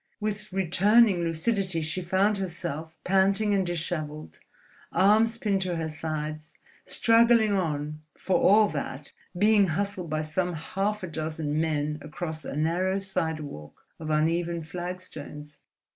With returning lucidity she found herself, panting and dishevelled, arms pinned to her sides, struggling on for all that, being hustled by some half a dozen men across a narrow sidewalk of uneven flagstones.